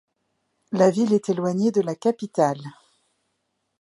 La ville est éloignée de la capitale.